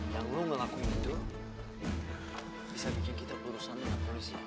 yang lu gak ngakuin itu bisa bikin kita berurusan dengan polisi